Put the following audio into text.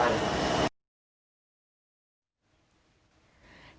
เขาก็เชื่อเข้าไป